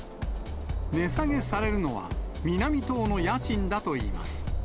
値下げされるのは、南棟の家賃だといいます。